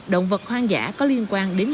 động vật hoang dã có liên quan đến